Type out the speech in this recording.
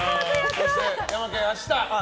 そしてヤマケン、明日は？